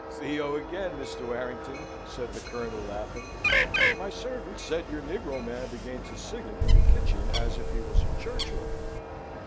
"Theo again, Mr. Warrington!" said the Colonel, laughing. "My servants said your negro man began to sing it in the kitchen as if he was a church organ."